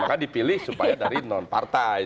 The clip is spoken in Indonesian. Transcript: maka dipilih supaya dari non partai